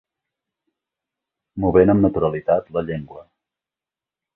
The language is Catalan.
Movent amb naturalitat la llengua